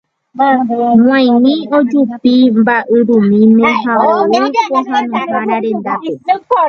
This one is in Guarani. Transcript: g̃uaig̃ui ojupi mba'yrumýime ha ou pohãnohára rendápe